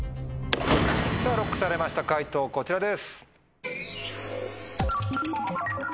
ＬＯＣＫされました解答こちらです。